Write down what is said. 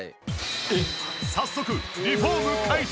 早速リフォーム開始。